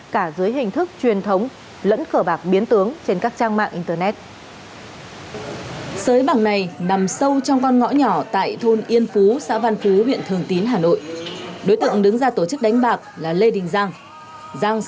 cả dưới hình thức truyền thống